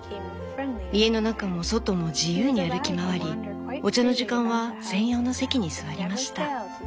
家の中も外も自由に歩き回りお茶の時間は専用の席に座りました」。